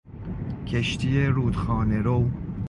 کشتی رودخانهرو